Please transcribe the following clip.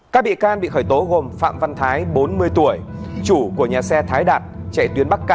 các bị can bị khởi tố gồm phạm văn thái bốn mươi tuổi chủ của nhà xe thái đạt